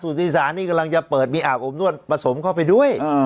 สุธิศาสตร์นี่กำลังจะเปิดมีอาบอมนวลผสมเข้าไปด้วย